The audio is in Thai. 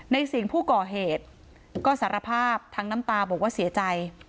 สิ่งผู้ก่อเหตุก็สารภาพทั้งน้ำตาบอกว่าเสียใจ